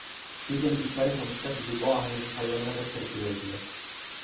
Birden bir işaret almışlar gibi bu ahenge hayvanlar da karışıverdiler.